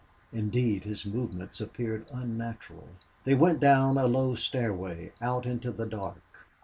Indeed, his movements appeared unnatural. They went down a low stairway, out into the dark.